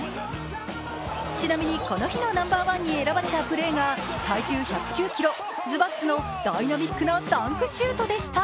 ちなみに、この日のナンバーワンに選ばれたプレーが体重１０９ｋｇ、ズバッツのダイナミックなダンクシュートでした。